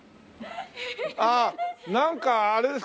ああなんかあれですか？